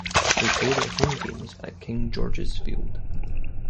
They play their Home games at King George's Field.